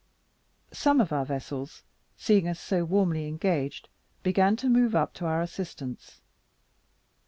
Some of our vessels seeing us so warmly engaged, began to move up to our assistance.